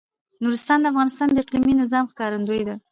نورستان د افغانستان د اقلیمي نظام ښکارندوی ده.